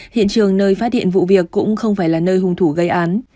hiện trường nơi phát hiện vụ việc cũng không phải là nơi hung thủ gây án